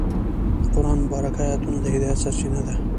د قرآن مبارکه آیتونه د هدایت سرچینه دي.